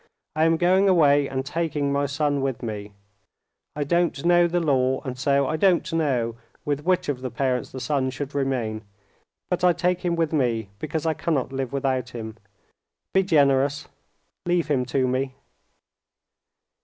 I am going away, and taking my son with me. I don't know the law, and so I don't know with which of the parents the son should remain; but I take him with me because I cannot live without him. Be generous, leave him to me."